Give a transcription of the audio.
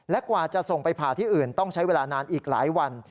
และกว่าจะส่งไปผ่าที่อื่นต้องใช้เวลานานอีกหลายวัน